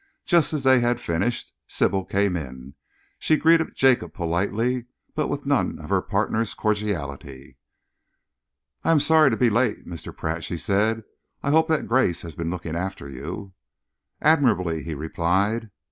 Just as they had finished, Sybil came in. She greeted Jacob politely, but with none of her partner's cordiality. "I am sorry to be late, Mr. Pratt," she said. "I hope that Grace has been looking after you." "Admirably," he replied.